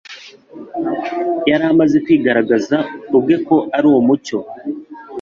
Yari yamaze kwigaragaza ubwe ko ari Umucyo,